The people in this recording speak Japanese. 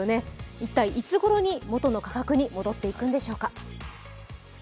一体、いつごろに元の価格に戻っていくのでしょうか。